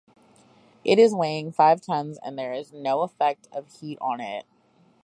It is weighing five tons and there is no effect of heat on it.